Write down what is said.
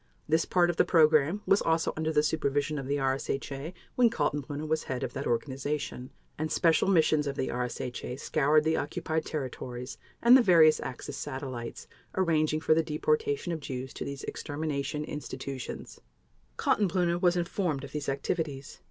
This part of the program was also under the supervision of the RSHA when Kaltenbrunner was head of that organization, and special missions of the RSHA scoured the occupied territories and the various Axis satellites arranging for the deportation of Jews to these extermination institutions. Kaltenbrunner was informed of these activities.